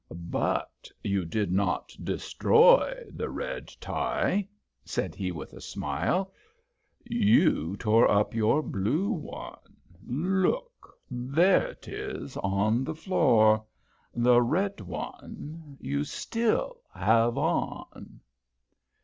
"But you did not destroy the red tie," said he, with a smile. "You tore up your blue one look. There it is on the floor. The red one you still have on."